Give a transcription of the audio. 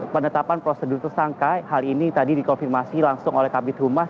penetapan prosedur tersangka hal ini tadi dikonfirmasi langsung oleh kabit humas